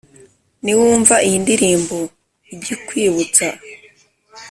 Niwumva iyi ndirimbo Ijy’ikwibutsa